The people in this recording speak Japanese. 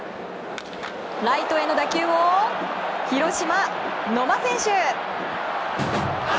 ライトへの打球を広島、野間選手。